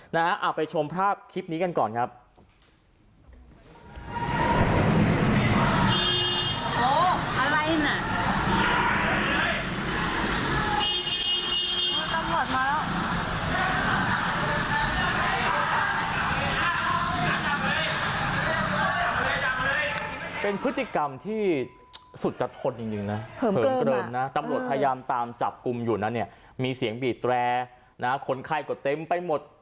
เหิมเกลิมตำรวจพยายามตามจับกลุ่มอยู่มีเสียงบีดแตรกคนไข่กดเต็มไปหมด